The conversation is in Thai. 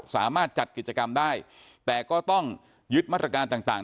สามารถจัดกิจกรรมได้แต่ก็ต้องยึดมาตรการต่าง